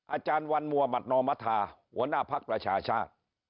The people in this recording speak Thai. อาจารย์วันมัวบัตนอมธาหัวหน้าภักดิ์ประชาชาติ